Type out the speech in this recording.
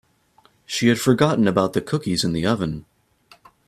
She had forgotten about the cookies in the oven.